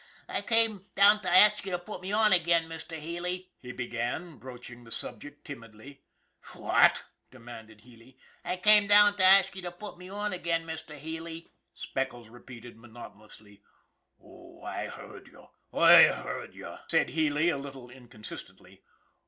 " I came down to ask you to put me on again, Mr. Healy," he began, broaching the subject timidly. " Phwat? " demanded Healy. " I came down to ask you to put me on again, Mr. Healy," Speckles repeated monotonously. " Oh, I heard you I heard you," said Healy, a little inconsistently.